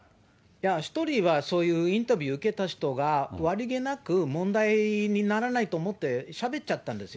１人はそういうインタビュー受けた人が悪気がなく問題にならないと思ってしゃべっちゃったんですよ。